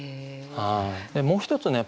もう一つね